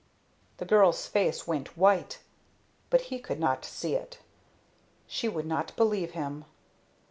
The girl's face went white, but he could not see it. She would not believe him.